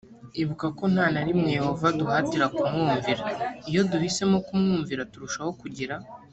ibuka ko nta na rimwe yehova aduhatira kumwumvira iyo duhisemo kumwumvira turushaho kugira